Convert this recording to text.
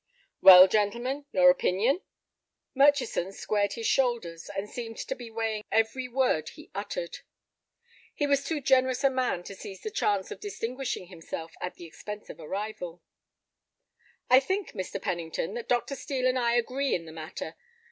"Well, gentlemen, your opinion?" Murchison squared his shoulders, and seemed to be weighing every word he uttered. He was too generous a man to seize the chance of distinguishing himself at the expense of a rival. "I think, Mr. Pennington, that Dr. Steel and I agree in the matter.